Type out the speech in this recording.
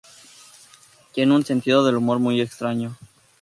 Tiene un sentido del humor muy extraño.